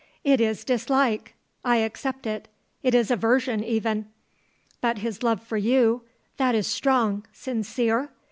It is dislike; I accept it. It is aversion, even. But his love for you; that is strong, sincere?